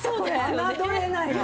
侮れないな。